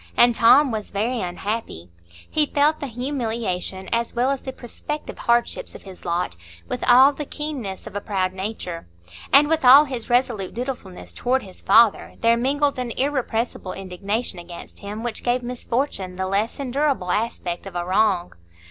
And Tom was very unhappy; he felt the humiliation as well as the prospective hardships of his lot with all the keenness of a proud nature; and with all his resolute dutifulness toward his father there mingled an irrepressible indignation against him which gave misfortune the less endurable aspect of a wrong.